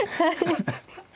アハハハ。